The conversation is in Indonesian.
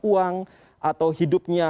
uang atau hidupnya